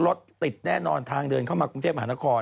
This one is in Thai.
รถติดแน่นอนทางเดินเข้ามากรุงเทพมหานคร